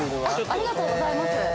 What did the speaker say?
◆ありがとうございます。